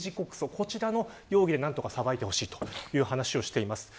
こちらの容疑で何とか裁いてほしいという話をしています。